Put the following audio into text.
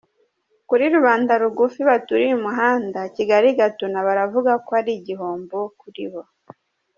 Kuri rubanda rugufi baturiye umuhanda Kigali Gatuna baravuga ko ari igihombo kuri bo.